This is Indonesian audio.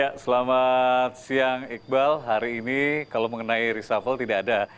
ya selamat siang iqbal hari ini kalau mengenai reshuffle tidak ada